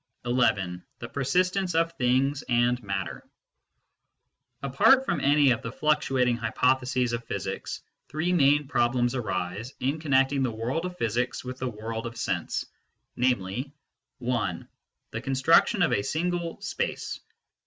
SENSE DATA AND PHYSICS 169 XI. THE PERSISTENCE OF THINGS AND MATTER Apart from any of the fluctuating hypotheses of physics, three main problems arise in connecting the world of physics with the world of sense, namely : 1. the construction of a single space ; 2.